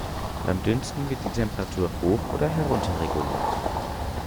Beim Dünsten wird die Temperatur hoch oder herunterreguliert.